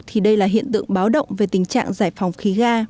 thì đây là hiện tượng báo động về tình trạng giải phóng khí ga